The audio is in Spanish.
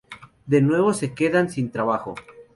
De nuevo se quedan sin trabajo.